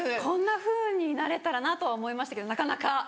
こんなふうになれたらなとは思いましたけどなかなか。